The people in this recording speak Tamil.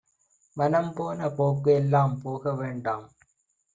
மனம்போன போக்கு எல்லாம் போக வேண்டாம்